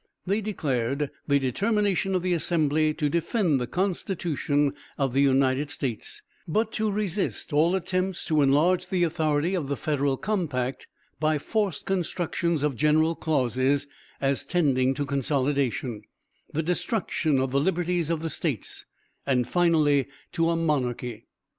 They declared the determination of the Assembly to defend the Constitution of the United States, but to resist all attempts to enlarge the authority of the federal compact by forced constructions of general clauses, as tending to consolidation, the destruction of the liberties of the States, and finally to a monarchy.